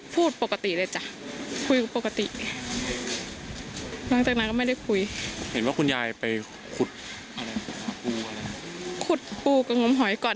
พูดคุยกับคุณยาย